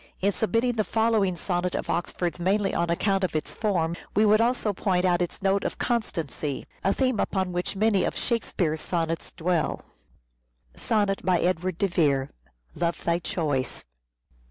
In submitting the following sonnet of Oxford's mainly on account of its form we would also point out its note of constancy : a theme upon wnich many of " Shakespeare's " sonnets dwell. SONNET BY EDWARD DE VERB. "LOVE THY CHOICE."